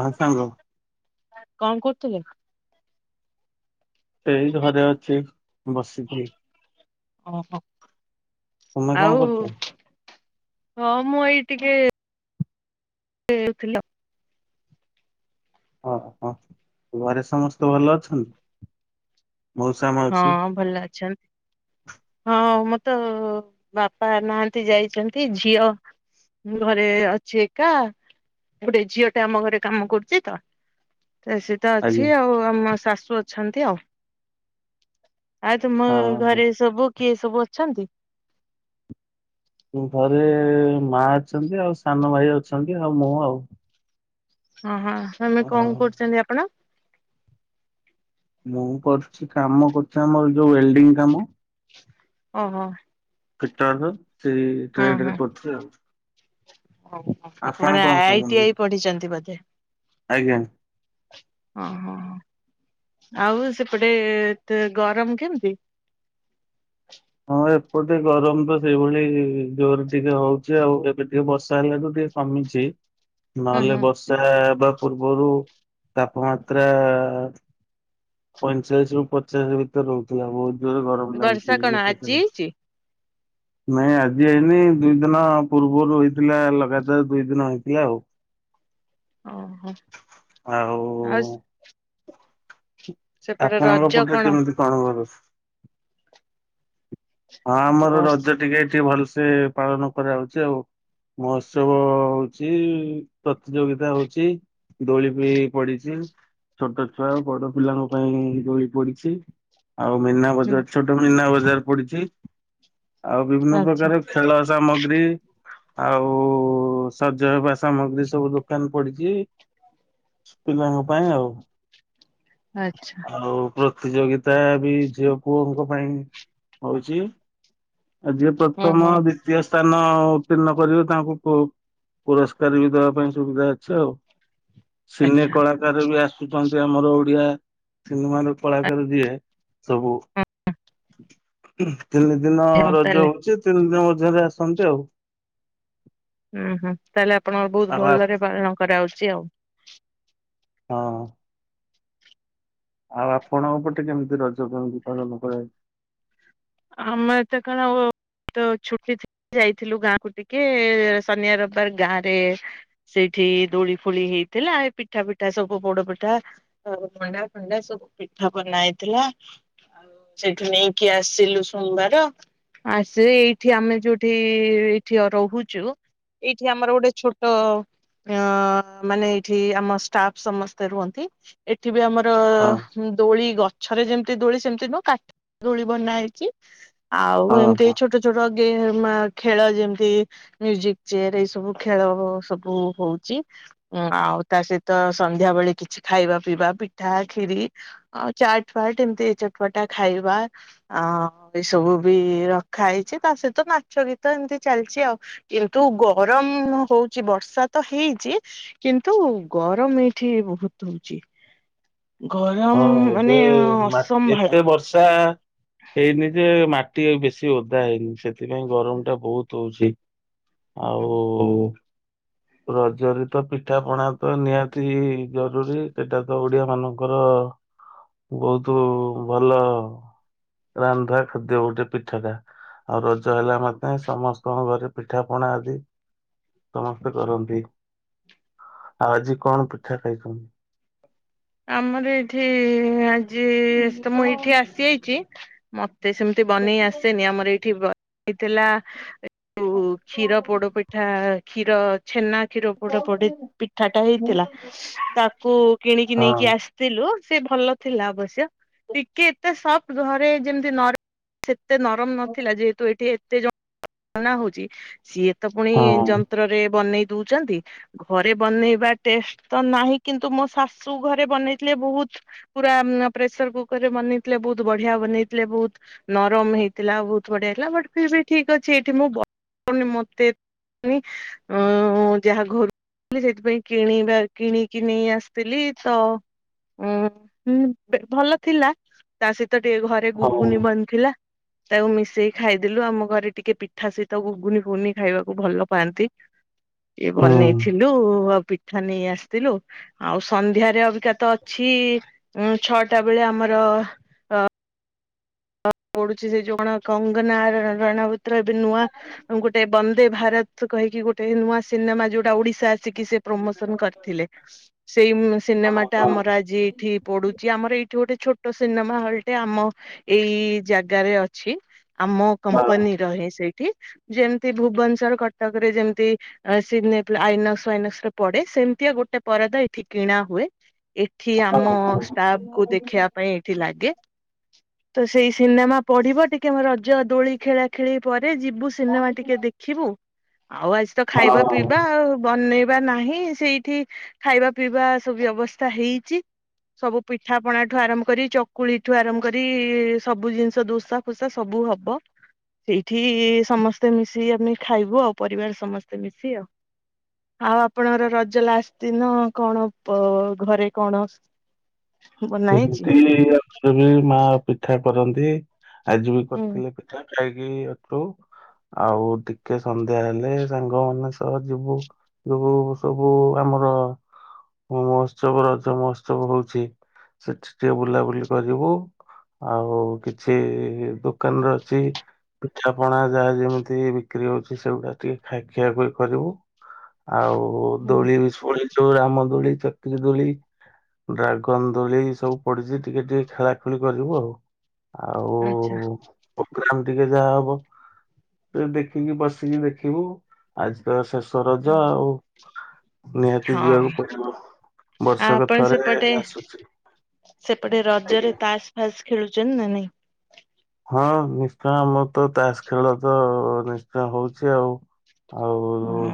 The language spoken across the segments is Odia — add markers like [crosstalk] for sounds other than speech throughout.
ହଁ ସଙ୍ଗ- କଣ କରଛ ଯେ- ସେଇ ଧରେ ଅଛି ବସିକ ଓହୋ। ତମେ କଣ ଆଉ କରୁଛ- ହଁ ମୁଁ ଏଇ ଟିକେଥିଲ- ହଁ ହଁ ଘରେ ସମସ୍ତେ ଭଲ ଅଛନ୍ତି- ମଉସା ହଁ ମାଉସୀ ଭଲ ଅଛନ୍ତି ହଁ ମତେ- ତ ବାପା ନାହାନ୍ତି ଯାଇଛନ୍ତି ଝିଅ ଘରେ ଅଛି ଏକା ଗୋଟେ ଝିଅ ଟା ଆମ ଘରେ କାମ କରୁଛି ତ- ତ ସେ ତ ଅଛି ଆଜ୍ଞା ଆଉ ଆମ ସାସ୍- ଶୁ ଅଛନ୍ତି ଆଉ- [inaudible] ଆଉ ତମ ହଁ ଘରେ ସବୁ- କିଏ ସବୁ ଅଛନ୍ତି- ଘରେ ମା ଅଛନ୍ତି ଆଉ ସାନ ଭାଇ ଅଛନ୍ତି ଆଉ ମୁଁ ଆଉ- ହଁ ହଁ- ଆମେ ଆଉ କଣ କରୁଛନ୍ତି ଆପଣ- ମୁଁ କରୁଛି କାମ କରୁଛି ଆମର ଯୋଉ ୱେଲଡିଙ୍ଗ କାମ- ଓହୋ। କେଟା ହ ସେ ହଁ ହଁ। ଟ୍ରେଡରେ ପଥିଲେ ଆଉ। ଆପଣ ମାନେ କଣ ଆଇ କରନ୍ତି? ଆଇ ପଢିଛନ୍ତି ବୋଧେ। ଆଜ୍ଞା। ହଁ ହଁ। ଆଉ ସେପଟେ ଗରମ କେମିତି। ହଁ ଏପ ଟେ ଗରମ ତ ସେଇଭଳି ଜୋରରେ ଟିକେ ହଉଛି ଆଉ ଏବେ ଟିକେ ବର୍ଷା ହେଲେ ତ ଟିକେ କମିଛି। ହୁଁ ହୁଁ ନହେଲେ ବସା ବା ପୂର୍ବରୁ ତାପମାତ୍ରା ପଇଁଚାଶ ରୁ ପଚାଶ ଭିତରେ ରହୁଥିଲା ବହୁତ। ଧୀରେ ଗରମ ବର୍ଷା ଲାଗୁଛି କଣ ଆଜି ଏକାର ହେଇଛି? ନାଇଁ ଆଜି ଆଇନି ଦୁଇ ଦିନ ପୂର୍ବରୁ ହେଇଥିଲା ଲଗାତାର ଦୁଇ ଦିନ ହେଇଥିଲା ଆଉ। ଓହୋ ଆଉ ସେପଟେ ଆପଣଙ୍କ ରଜ ପଟରେ କଣ? କେମିତି କଣ କରୁ ହଁ ଆମର ରଜ ବର୍ଷ ଟିକେ ଟିକେ ଭଲ ସେ ପାଳନ କରାଉଛି ଆଉ ମହୋତ୍ସବ ହଉଛି ପ୍ରତିଯୋଗିତା ହଉଛି ଦୋଳି ବି ପଡିଛି ଛୋଟ ଛୁଆ ବଡ ପିଲାଙ୍କ ପାଇଁ ଦୋଳି ପଡିଛି। ଆଉ ମୀନା ବଜାର ଛୋଟ ମୀନା ବଜାର ପଡିଛି। ଆଉ ବିଭିନ୍ନ ଆଚ୍ଛା ପ୍ରକାର ଖେଳ ସାମଗ୍ରୀ ଆଉ ସଜ ହେବା ସାମଗ୍ରୀ ସବୁ ଦୋକାନ ପଡିଛି ପିଲାଙ୍କ ପାଇଁ ଆଉ। ଆଚ୍ଛା ଆଉ ପ୍ରତିଯୋଗିତା ତ ବି ଝିଅ ପୁଅଙ୍କ ପାଇଁହଉଛି। ଆଜି ହୁଁ ପ୍ରଥମ ହୁଁ ଦିତୀୟ ସ୍ଥାନ ଉତ୍ତୀର୍ଣ୍ଣ କରିବେ ତାଙ୍କୁ ପୁରସ୍କାର ବି ଦବା ପାଇଁ ସୁବିଧା ଅଛି ଆଉ। ସିନେ ଆଚ୍ଛା କଳାକାର ବି ଆସ ଆୁଛନ୍ତି ଆମର ଓଡିଆ ସିନେମ ର କଳାକାର ଯିଏ ସବୁ ତିନି ଦିନ ହଁ ରଜ ତାହେଲେ ହଉଛି ତିନି ଦିନ ରେ ଆସନ୍ତ ଆଉ। ହୁଁ ହୁଁ ତାହେଲେ ଆପଣଙ୍କ ବହୁତ ଆଉ ଆ ଭଲରେ ପାଳନ କରାଉଛି ଆଉ। ହଁ। ଆଉ ଆପଣଙ୍କ ଉପଟେ କେମିତି ରଜ ବିପାଜନ କରାଯାଇଛି। ଆମେ ତ କଣ ତ ଛୁଟି ଥିଲା ଯାଇଥିଲୁ ଗାଁ କ ଟିକେ ଶନି ରବିବାର ଗାଁ ରେ ସେଇଠି ଦୋଳି ଫୋଳି ହେଇଥିଲା ଏ ପିଠା ପିଠା ସବୁ ପୋଡ ପିଠା ମଣ୍ଡା ଫଣ୍ଡା ସବୁ ପିଠା ବନ ହେଇଥିଲା ଆଉ ସେଇଠୁ ନେଇକି ଆସିଲୁ। ସୋମବାର ଆସ ଏଇଠି ଆମେ ଯୋଉଠି ଏଠି ରହୁଛୁ ଏଇଠି ଆମର ଗୋଟେ ଛୋଟ ମାନେ ଏଇଠି ଆମ ଷ୍ଟାଫ ସମସ୍ତେ ରୁହନ୍ତି। ଏବେ ଆମର ହଁ ଦୋଳି ଗଛ ଛରେ ଯେମିତି ଦୋଳି ସେମିତି ନୁହଁ କାଠ ଦୋଳି ବନା ହେଇଛି ଆଉ ହଁ ଏମିତି ହଁ ଏଇ ଛୋଟ ଛୋଟ ଖେଳ ଯେମତି ମୁଜିକ ଚେୟାର ଏଇ ସବୁ ଖେଳ ସବୁ ହଉଛି ଆଉ ତା ସହିତ ସନ୍ଧ୍ୟାବେେଳେ କିଛି ଖାଇବା ପିଇବା ପିଠା ଖିରି ଆଉ ଚାଟ ଫାଟ ଏମିତି ଏ ଚଟପଟା ଖାଇବା ଆ ଏଇ ସବୁ ବି ରଖା ହେଇଛି ତା ସହିତ ନାଚ ଗୀତ ଏମିତି ଚାଲିଛି ଆଉ କିନ୍ତୁ ଗରମ ହଉଛି ବର୍ଷା ତ ହେଇଛି କିନ୍ତୁ ଗରମ ଏଇଠି ବହୁତ ହଉଛି ହଁ ଗରମ ମାନେ ଏବେ ମାଟେ ଅସମ୍ଭାଳ। ଏତେ ବର୍ଷା ହେଇନି ଯେ ମାଟି ବେଶୀ ଓଦା ହେଇନି ସେଥିପାଇଁ ଗରମ ଟା ବହୁତ ହଉଛି ଆଉ ରଜରେ ତ ପିଠା ପଣା ତ ନିହାତି ଜରୁରୀ ସେଇଟା ତ ଓଡିଆ ମାନଙ୍କର ବହୁତ ଭଲ ରାନ୍ଧା ଖାଦ୍ୟ ଗୋଟେ ପିଠାଟା ଆଉ ରଜ ହେଲା ମାତେ ସମସ୍ତଙ୍କ ଘରେ ପିଠା ପଣା ଆଦି ସମସ୍ତ କରନ୍ତି ଆଉ ଆଜି କଣ ପିଠା ଖାଇଛନ୍ତି ଆମର ଏଇଠି ଯେ ତ ମୁଁ ଏଇଠି ଆସିଯାଇଛି ମ ସେ ସେମିତି ବନେଇ ଆସେନି ଆମର ଏଇଠି ଆଇ ଥେଲା ଓ କ୍ଷୀର ପୋଡ ପିଠା କ୍ଷୀର ଛେନା କ୍ଷୀର ପୋଡ଼ ପଡି ପିଠାଟା ହେଇଥିଲା ତାକୁ କିଣିକି ହଁ ନେଇି ଥିଲୁ ସେ ଭଲ ଥିଲା ଅବଶ୍ୟ ଟିକେ ଏ ତେ ସପ୍ଟ୍ ଘରେ ଯେମିତି ନର ଏତେ ନରମ ନଥିଲା ଯେହେତୁ ଏଠି ତେ ଯ ହଉଛି ସିଏ ତ ପୁଣି ହଁ। ଯନ୍ତ୍ରରେ ବନେଇ ଦଉଛନ୍ତି ଘରେ ବନେଇବା ଟେଷ୍ଟ ତ ନାହିଁ କିନ୍ତୁ ମୋ ଶାଶୁ ଘରେ ବନେଇଥିଲେ ବହୁତ ପୁରା ମଁ ପ୍ରେସର କୁକରରେ ବନେଇଥିଲେ ବହୁତ ବଢିଆ ବନେଇଥିଲେ ବହୁତ ନରମ ହେଇଥିଲା ବହୁତ ବଢିଆ ହେଇଥିଲା ବଟ ଫିର୍ ବି ଠିକ୍ ଅଛି ସେଠି ମୁଁ ବନି ମତେ ଯାହା ଘରୁ ସେଥିପାଇଁ କିଣିବା କିଣିକି ନେଇ ଆସିଥିଲି ତ ଉ ଭଲ ଥିଲା ତା ସେ ତ ଟିକେ ଘରେ ହଁ। ଗୁଗୁନି ବନିଥିଲା ତାକୁ ମିଶେଇକି ଖାଇଦଲୁ ଆମ ଘରେ ଟିକେ ପିଠା ସହିତ ଉୁଗୁନି ଫୁଗୁନି ଖାଇବାକୁ ଭଲ ପାଆନ୍ତି ଇଏ ବନେଇଥିଲୁ ପିଠା ନେଇ ଆସିଥିଲୁ ଆଉ ସନ୍ଧ୍ୟାରେ ଅବିକା ତ ଅଛି ଉଁ ଛଅଟା ବେଳେ ଆମର ଅ ପଡୁଛି ସେ ଜୋଉ କଣ କଙ୍ଗନା ରଣାଓଟ୍ ଏବେ ନୂଆ ଗୋଟେ ବ ଭାରତ କହିକି ଗୋଟେ ନୂଆ ସିନେମା ଯୋଉଟା ଓଡିଶା ସିକି ସେ ପ୍ରମୋସନ କରିଥିଲେ ସେଇ ମୁଁ ସିନେମା ଟା ଆମର ଆଜି ଏଠି ପଡୁଚି ଆମର ଏଇଠି ଗୋଟେ ଛୋଟ ସିନେମା ହଲ୍ ଟେ ଆମ ଏଇ ଜାଗାରେ ଅଛି। ଆମ କମ୍ପାନୀ ରହେ ସେଇ ଯେମତି ଭୁବନଶର କଟକ ରେ ଯେମିତି ସିଗ୍ନିଫି ଆଇନକ୍ସ ଆଇନକ୍ସ ରେ ପଡେ ସେମିତିଆ ଗୋଟେ ପରଦା ଏଠି କିଣା ହୁଏ। ଏଠି ଆମ ଷ୍ଟାଫ କୁ ଦେଖିବା ପାଇଁ ଏଇଠି ଲାଗେ ତ ସେଇ ମୋ ପଢିବା ଟିକେ ମୋ ରଜ ଦୋଳି ଖେଳା ଖେଳି ଯିବୁ ସିନେମା ଟିକେ ଦେଖିବୁ। ଆଉ ଆଜି ତ ଖାଇବା ହଁ। ପିଇବା ଆଉ ବନେ ନାହିଁ ସେଇଠି ଖାଇବା ପିଇବା ସବୁ ବ୍ୟବସ୍ଥା ହେଇଚି ସବୁ ପିଠା ପଣାଠୁ ଆରମ୍ଭ କରି ଚକୁଳିଠୁ ଆରମ୍ଭ କରି ସବୁ ଜିନିଷ ଦୋସା ଫୋସା ସବୁ ହବ ସେଇଠି ସମସ୍ତେ ମିଶିକ ଆମେ ଖାଇବୁ ଆଉ ପରିବାର ସମସ୍ତେ ମିଶି ଆଉ ଆଉ ଆପଣଙ୍କର ରଜ ଲାଷ୍ଟ ଦିନ କଣ ପ ଘରେ କଣ ବନା ହେଇଛି? କେମିତି ଆଣିବି ମା ପିଠା କରନ୍ତି ଆଜି ବି ହୁଁ କରିଥିଲେ ପିଠା। ଖାଇକି ଅଟୁ ଆଉ ଟିକେ ସନ୍ଧ୍ୟା ହେଲେ ସାଙ୍ଗ ମାନେ ସହ ଯିବୁ ଯୁବୁ ସବୁ ଆମର ମହୋତ୍ସବ ରଜ ମହୋତ୍ସବ ହୋଉଚି। ସେଠି ଟିକେ ବୁଲାବୁଲି କରିବୁ ଆଉ କିଛି ଦୋକାନରେ ଅଛି ପିଠା ପଣା ଯାହା ଯେମିତି ବିକ୍ରି ହୋଉଚି ସେଗୁଡା ଟିକେ ଖାଇ ଖିଆ କରିବୁ। ଆଉ ହୁଁ। ଦୋଳି ଫୋଳି ଯୋଉ ରାମ ଦୋଳି ଚକ୍ରି ଦୋଳି ଡ୍ରାଗନ ଦୋଳି ସବୁ ପଡିଛି ଟିକେ ଟିକେ ଖେଳାଖେଳି କରିବୁ ଆଉ ଆଚ୍ଛା ପୋଗ୍ରାମ ଟିକେ ଯାହା ହବ ଟିକେ ଦେଖିକି ବସିକି ଦେଖିବୁ ଆଜିତ ଶେଷ ରଜ ହଁ ଆଉ ନିହାତି ଆଉ ଯିବାକୁ ପଡିବ ବର୍ଷକ ଆପଣ ଥରେ ସେପଟେ ଆସୁଚି ସେପଟେ ରଜରେ ତାସ ଫାସ ଖେଳୁଛନ୍ତି ନା ନାଇଁ? ହଁ ନିଶ୍ଚୟ ଆମରତ ତାସ୍ ଖେଳ ତ ନିଶ୍ଚୟ ହଉଛି ଆଉ ଆଉ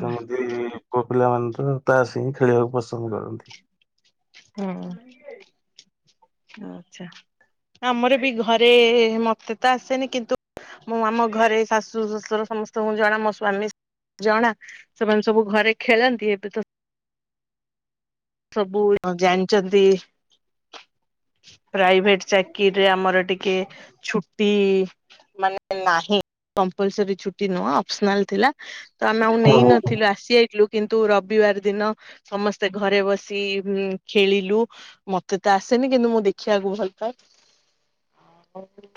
ସେମିତି ପିଲାମାନେ ତ ତାସ୍ ହି ଖେଳିବାକୁ ପସନ୍ଦ କରନ୍ତି। ଟାଇମ୍ ହୁଁ ନାହଁ କି ବେ ଆଚ୍ଛା ଆମର ବି ଘରେ ମତେ ତ ଆସେନି କିନ୍ତୁ ମୁଁ ଆମ ଘରେ ଶାଶୁ ଶଶୁର ସମସ୍ତଙ୍କୁ ଜଣା ମୋ ସ୍ଵାମୀ ଜଣା ସେମାନେ ସବୁ ଘରେ ଖେଳନ୍ତି ଏବେ ତ ସବୁ ଜାଣିଛନ୍ତି ପ୍ରାଇଭେଟ ଚାକିରିରେ ଆମର ଟିକେ ଛୁଟି ମାନେ ନାହିଁ କମ୍ପ୍ଲାସରୀ ଛୁଟି ନୁହଁ ଅପସନାଲ ଥିଲା। ତ ଆମେ ହଁ ନେଇନଥିଲୁ ଆସି ଯାଇଥିଲୁ। କିନ୍ତୁ ରବିବାର ଦିନ ସମସ୍ତେ ଘରେ ବସି ବସି ଇ ଖେଳିଲୁ ମତେ ତ ଆସେନି କିନ୍ତୁ ମୁଁ ଦେଖିବାକୁ ଭଲ ପାଏ।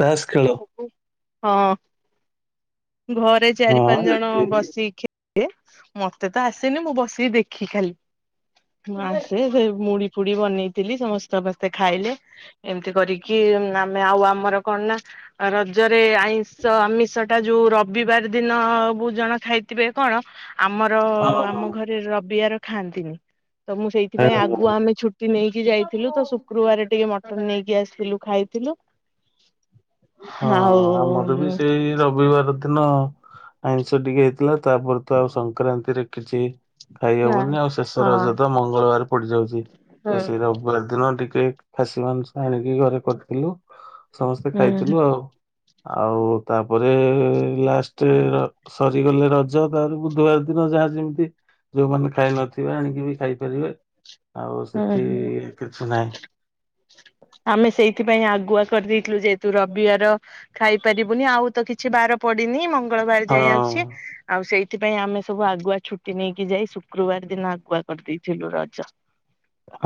ତାସ ଖେଳ। ହଁ ଘରେ ଚାରି ହଁ ପାଞ୍ଚ ଜଣ ଯେତିକି, ବସିି ଖେଳି ମତେ ତ ଆସିନି ମୁଁ ବସିକି ଦେଖି ଖାଲି। ଗାଁ ଆସେ ସେ ମୁଡି ପୁରୀ ବନେଇଥିଲି ସମସ୍ତେ ସମସ୍ତେ ଖାଇଲେ ଏମିତି କରିକି ଆମେ ଆଉ ଆମର କଣ ନା ରଜରେ ଆଇଷ ଆମିଷ ଟା ଯୋଉ ରବିବାର ଦିନ ବହୁ ଜଣ ଖାଇଥିବେ କଣ? ଆମର ହଁ ହଁ। ଆମ ଘରେ ରବିିବାର ଖାଆନ୍ତିନି। ତ ମୁଁ ହଁ, ସେଇଥିପାଇଁ ହଁ। ଆଗୁଆ ଆମେ ଛୁଟି ନେଇକି ଯାଇଥିଲୁ ତ ହଁ ଶୁକ୍ରବାରେ ଟିକେ ମ ତ ନେଇକି ଆସିଥିଲୁ ଖାଇଥିଲୁ। ହଁ ଆଉ ଆମର ବି ସେଇ ରବିବାର ଦିନ ଆଇଁଷ ଟିକେ ହେଇଥିଲା ତାପରେ ତ ଆଉ ସଂକ୍ରାନ୍ତିରେ କିଛି ନା ଖାଇହବନି ଆଉ ଶେଷ ହଁ। ରଜ ତ ମଙ୍ଗଳବାର ପଡିଯାଉଛି ହୁଁ ତ ସେଇ ରବିବାର ଦିନ ଟିକେ ଟିକେ ଖାସିୀ ମାଂସ ଆଣିକି ଘରେ କରିଥିଲୁ ସମସ୍ତେ ଖାଇଥିଲୁ ହୁଁ ଆଉ। ଆଉ ତାପରେ ଲାଷ୍ଟ ରେ ସରିଗଲେ ରଜ ତାପରେ ବୁଧବାର ଦିନ ଯାହା ଯେମିତି ଯୋଉମାନେ ଖାଇ ନଥିବେ ଆଣିକି ବି ଖାଇପାରିବେ। ଆଉ ହୁଁ ସେଠି ହଁ କିଛି ନାହିଁ। ଆମେ ସେଇଥିପାଇଁ ଆଗୁଆ କରିଦେଇଥିଲୁ ଯେହେତୁ ରବିବାର ଖାଇପାରିବୁନି ଆଉ ତ କି କିଛି ବାର ପଡ଼ିନି ମ ମଙ୍ଗଳବାର ଜାଏ ହଁ ଅଛି ଆଉ ସେଇ ସେଥିପାଇଁ ଆମେ ସବୁ ଆଗୁଆ ଛୁଟି ନେଇକି ଯାଇ ଶୁକ୍ରବାର ଦିନ ଆଗୁଆ କରିଦେଇଥିଲୁ ରଜ।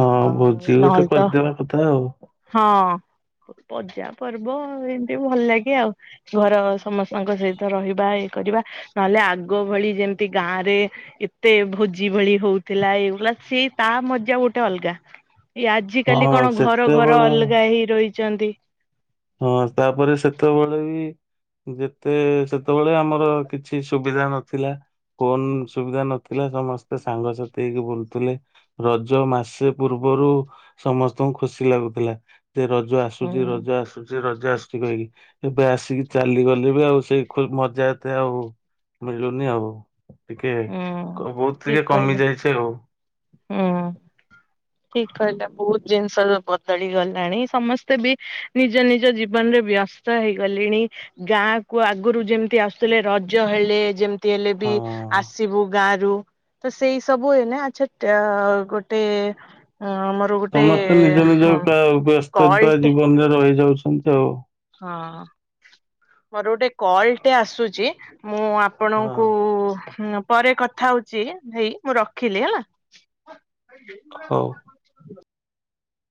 ହଁ ଅ ଭୋଜି ଗୋଟେ ନହେଲେ ତ କରିଦେବା କଥା ଆଉ। ହଁ ପୂଜା ପର୍ବ ହେଲେ ଭଲ ଲାଗେ ଆଉ ଘର ସମସ୍ତଙ୍କ ସହିତ ରହିବା ଇଏ କରିବା ନହେଲେ ଆଗ ଭଳି ଯେମିତି ଗାଁରେ ଏତେ ଭୋଜି ଭଳି ହଉଥିଲା ଏ ପଲା ସେଇ ତା ମ ଯା ଗୋଟେ ଅଲଗା। ଏଇ ଆଜି କାଲି ହଁ କଣ ଘର ଘର ସେତେବେଳେ ଅଲଗା ହେଇ ରହି ଚନ୍ତିି ହଁ ତାପରେ ସେତେବେଳେ ବି ଯେତେ ସେତେବେଳେ ଆମର କିଛି ସୁବିଧା ନଥିଲା ଫୋନ ସୁବିଧା ନଥିଲା ସମସ୍ତେ ସାଙ୍ଗସାଥି ହେଇକି ବୁଲୁଥିଲେ ରଜ ମାସେ ପୂର୍ବରୁ ସମସ୍ତଙ୍କୁ ଖୁସି ଲାଗୁଥିଲା। ଯେ ରଜ ଆସୁଛି ହୁଁ ରଜ ଆସୁ ରଜ ଆସୁଛି କହିକି ଏବେ ଆସିକି ଚାଲିଗଲେ ବି ଆଉ ସେଇ ଖୁ ମଜା ଏତେ ଆଉ ମିଳୁନି ଆଉ। ଟିକେ ହୁଁ ବହୁତ୍ ଟିକେ ଠିକ କମି କହିଲେ ଯାଇଛି ଆଉ। ହୁଁ। ଠିକ୍ କହିଲ ବହୁତ୍ ଜିନିଷ ବଦଳି ଗଲାଣି ସମସ୍ତେ ବି ନିଜ ନିଜ ଜୀବନରେ ବ୍ୟସ୍ତ ହେଇଗଲେଣି ଗାଁ କୁ ଆଗରୁ ଯେମିତି ଆସୁଥିଲେ ରଜ ହେଲେ ଯେମି ତି ହେଲେ ବି ହଁ। ଆସିବୁ ଗା ରୁ ତ ସେଇ ସବୁ ହୁଏ ନା ଆଚ୍ଛା ଟା ଗୋଟେ ଅ ମୋର ଗୋଟେ ସମସ୍ତେ ନିଜ ନିଜ ହଁ ପ୍ରାୟ ବ୍ୟସ୍ତତା କଲଟେ ଜୀବନରେ ରହିଯାଉଛି ନ୍ତି ଆଉ ହଁ ମୋର ଗୋଟେ କଲ୍ ହଁ। ଟେ ଆସୁଚି। ମୁଁ ହଁ ଆପଣଙ୍କୁ ହଁ ପରେ କଥା ହଉଛି ଭାଇ ମୁଁ ରଖିଲି ହେଲା। ହଉ। [inaudible]